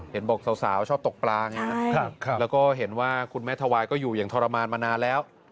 เห็นบอกสาวชอบตกปลาไงแล้วก็เห็นว่าคุณแม่ทวายก็อยู่อย่างทรมานมานานแล้ว